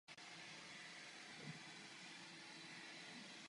Tak se dostaneme vpřed.